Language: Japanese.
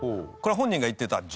これは本人が言ってた。